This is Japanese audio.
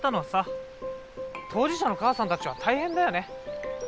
当事者の母さんたちは大変だよね。